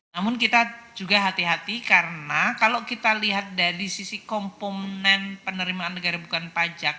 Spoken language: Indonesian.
namun kita juga hati hati karena kalau kita lihat dari sisi komponen penerimaan negara bukan pajak